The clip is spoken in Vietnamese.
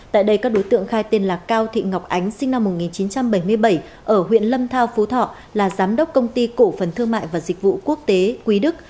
tại đây các đối tượng khai tên là cao thị ngọc ánh sinh năm một nghìn chín trăm bảy mươi bảy ở huyện lâm thao phú thọ là giám đốc công ty cổ phần thương mại và dịch vụ quốc tế quý đức